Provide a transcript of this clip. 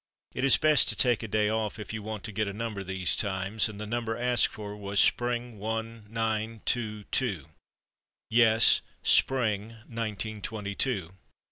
It is best to take a day off if you want to get a number these times, and the number asked for was Spring one, nine, two, two—yes, Spring, Nineteen Twenty Two.